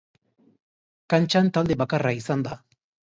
Kantxan talde bakarra izan da.